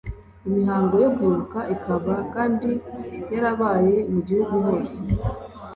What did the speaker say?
Imihango yo kwibuka ikaba kandi yarabaye mu Gihugu hose